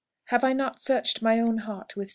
Have I not searched my own heart with sincerity?"